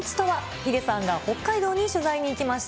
ヒデさんが北海道に取材に行きました。